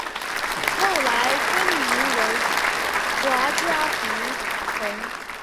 后来更名为华嘉胡同。